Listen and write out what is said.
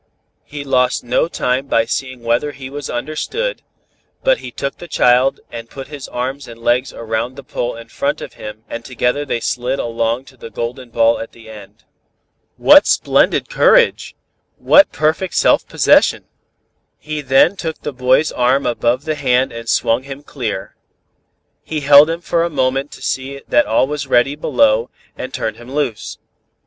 He lost no time by seeing whether he was understood, but he took the child and put his arms and legs about the pole in front of him and together they slid along to the golden ball at the end. "What splendid courage! What perfect self possession! He then took the boy's arm above the hand and swung him clear. He held him for a moment to see that all was ready below, and turned him loose.